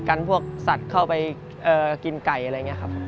กันพวกสัตว์เข้าไปกินไก่อะไรอย่างนี้ครับ